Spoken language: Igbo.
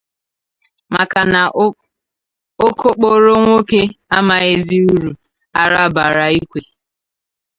maka na okokporo nwoke amaghịzị uru ara baara ikwe.